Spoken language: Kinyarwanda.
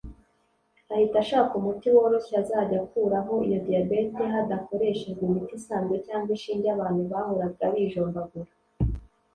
ahita ashaka umuti woroshye uzajya ukuraho iyo diabete hadakoreshejwe imiti isanzwe cyangwa inshinge abantu bahoraga bijombagura